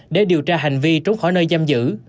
để điều tra hành vi trốn khỏi nơi giam giữ